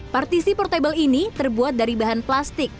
partisi portable ini terbuat dari bahan plastik